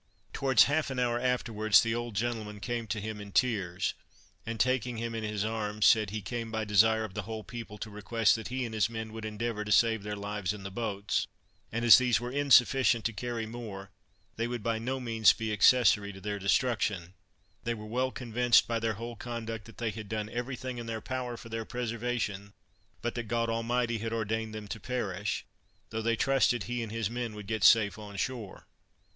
Towards half an hour afterwards, the old gentleman came to him in tears, and taking him in his arms, said he came by desire of the whole people to request that he and his men would endeavor to save their lives in the boats, and as these were insufficient to carry more, they would by no means be accessory to their destruction; they were well convinced by their whole conduct that they had done every thing in their power for their preservation; but that God Almighty had ordained them to perish, though they trusted he and his men would get safe on shore.